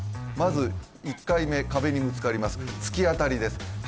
まず１回目壁にぶつかります突き当たりです